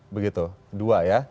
begitu dua ya